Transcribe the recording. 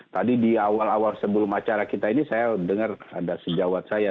tadi di awal awal sebelum acara kita ini saya dengar ada sejawat saya